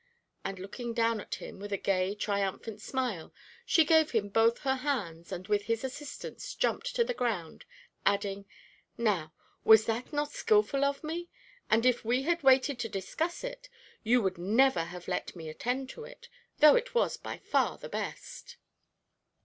And looking down at him with a gay, triumphant smile, she gave him both her hands, and with this assistance jumped to the ground, adding: "Now, was that not skilful of me? and if we had waited to discuss it, you would never have let me attend to it, though it was by far the best."